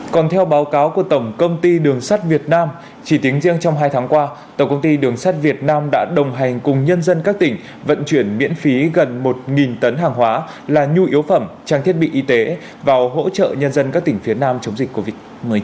còn theo báo cáo của tổng công ty đường sắt việt nam chỉ tính riêng trong hai tháng qua tổng công ty đường sắt việt nam đã đồng hành cùng nhân dân các tỉnh vận chuyển miễn phí gần một tấn hàng hóa là nhu yếu phẩm trang thiết bị y tế vào hỗ trợ nhân dân các tỉnh phía nam chống dịch covid một mươi chín